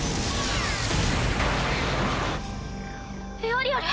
エアリアル？